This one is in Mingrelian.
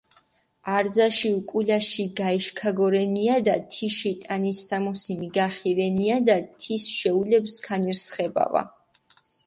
არძაში უკულაში გაიშქაგორენიადა, თიში ტანისამოსი მიგახირენიადა, თის შეულებჷ სქანი რსხებავა.